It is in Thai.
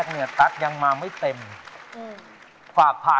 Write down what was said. ช่วยฝังดินหรือกว่า